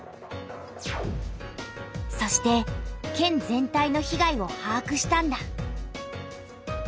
そして県全体の被害をはあくしたんだ。